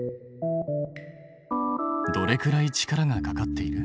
どれくらい力がかかっている？